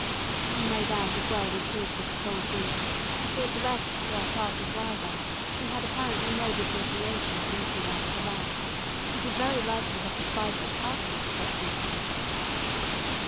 We made out as well as we could with the cold beef, and gave the rest to our Tartar driver, who had apparently no disinclination to eating after the rat, and would very likely have despised us heartily for such weakness.